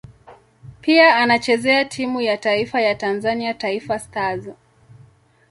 Pia anachezea timu ya taifa ya Tanzania Taifa Stars.